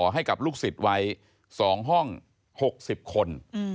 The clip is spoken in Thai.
ให้กับลูกศิษย์ไว้๒ห้อง๖๐คน